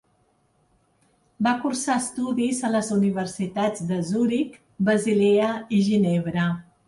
Va cursar estudis a les universitats de Zuric, Basilea i Ginebra.